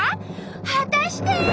果たして。